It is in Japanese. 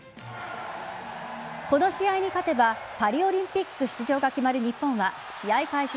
この試合に勝てばパリオリンピック出場が決まる日本は試合開始